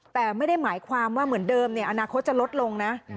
แต่ไม่ได้หมายความว่าเหมือนเดิมอนาคตจะลดลงนะ